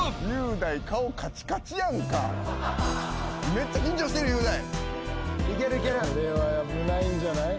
めっちゃ緊張してる雄大！